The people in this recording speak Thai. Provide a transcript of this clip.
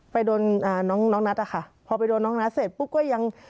ไปโดนอ่าน้องน้องนัทอะค่ะพอไปโดนน้องนัทเสร็จปุ๊บก็ยัง